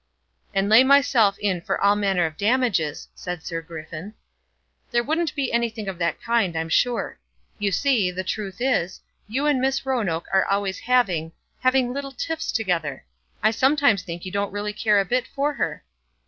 "And lay myself in for all manner of damages," said Sir Griffin. "There wouldn't be anything of that kind, I'm sure. You see, the truth is, you and Miss Roanoke are always having having little tiffs together. I sometimes think you don't really care a bit for her."